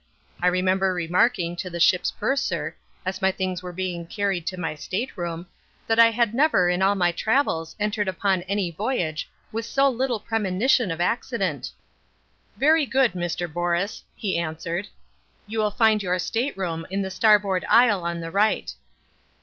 I remember remarking to the ship's purser, as my things were being carried to my state room, that I had never in all my travels entered upon any voyage with so little premonition of accident. "Very good, Mr. Borus," he answered. "You will find your state room in the starboard aisle on the right."